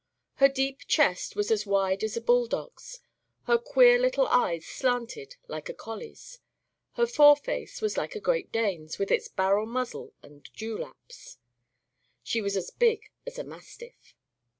Her deep chest was as wide as a bulldog's; her queer little eyes slanted like a collie's; her foreface was like a Great Dane's, with its barrel muzzle and dewlaps. She was as big as a mastiff.